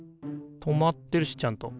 留まってるしちゃんと。